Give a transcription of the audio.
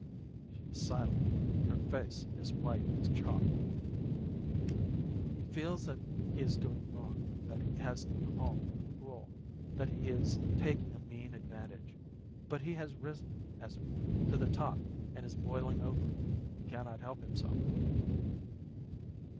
She is silent, her face is white as chalk. He feels that he is doing wrong, that he has no call to be cruel, that he is taking a mean advantage, but he has risen, as it were, to the top, and is boiling over. He cannot help himself.